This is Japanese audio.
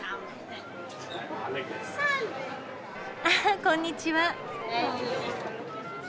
あこんにちは。